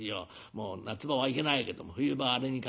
もう夏場はいけないけども冬場はあれに限る。